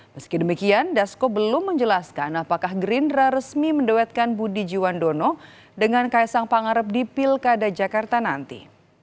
meski demikian dasko belum menjelaskan apakah gerindra resmi menduetkan budi jiwandono dengan kaisang pangarep di pilkada jakarta nanti